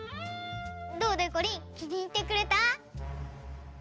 どう？でこりんきにいってくれた？